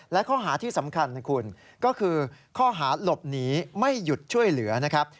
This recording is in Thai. และข้อหาที่สำคัญนะคุณก็คือข้อหาหลบหนีไม่หยุดช่วยเหลือนะครับ